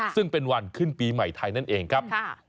ซึ่งเป็นวันขึ้นปีใหม่ไทยนั่นเองครับ